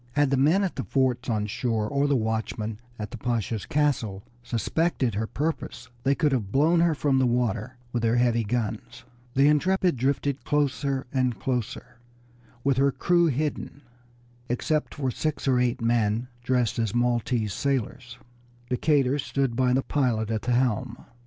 Had the men at the forts on shore or the watchman at the Pasha's castle suspected her purpose they could have blown her from the water with their heavy guns. The Intrepid drifted closer and closer, with her crew hidden, except for six or eight men dressed as Maltese sailors. Decatur stood by the pilot at the helm.